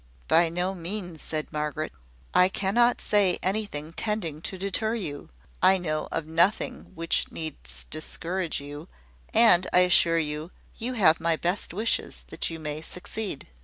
"By no means," said Margaret. "I cannot say anything tending to deter you. I know of nothing which need discourage you; and I assure you, you have my best wishes that you may succeed."